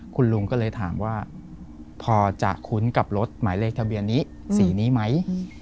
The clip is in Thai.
คุณลุงก็เลยถามว่าพอจะคุ้นกับรถหมายเลขทะเบียนนี้สีนี้ไหม